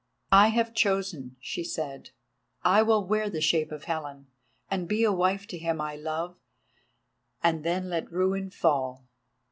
"I have chosen," she said; "I will wear the shape of Helen, and be a wife to him I love, and then let ruin fall.